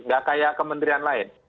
tidak seperti kementerian lain